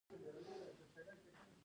ایا ټول ماران زهرجن دي؟